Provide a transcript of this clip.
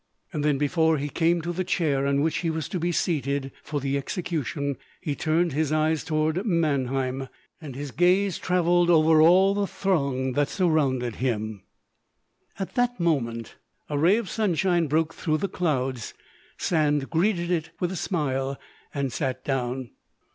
Then before he came to the chair on which he was to be seated for the execution, he turned his eyes towards Mannheim, and his gaze travelled over all the throng that surrounded him; at that moment a ray of sunshine broke through the clouds. Sand greeted it with a smile and sat down.